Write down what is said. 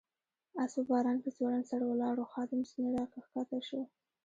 آس په باران کې ځوړند سر ولاړ و، خادم ځنې را کښته شو.